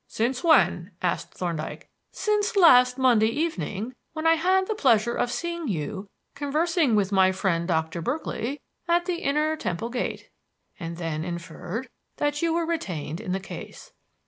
"Since when?" asked Thorndyke. "Since last Monday evening, when I had the pleasure of seeing you conversing with my friend Doctor Berkeley at the Inner Temple gate, and then inferred that you were retained in the case.